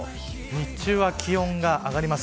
日中は気温が上がります。